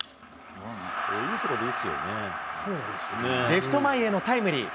レフト前へのタイムリー。